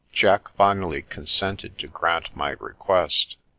Jack finally consented to grant my request.